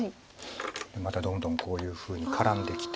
またどんどんこういうふうに絡んできて。